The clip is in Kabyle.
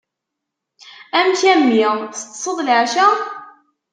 Amek a mmi! Teṭseḍ leɛca?